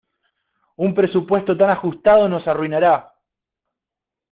Un presupuesto tan ajustado nos arruinará.